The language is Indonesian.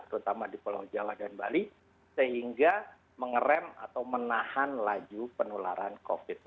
terutama di pulau jawa dan bali sehingga mengerem atau menahan laju penularan covid sembilan belas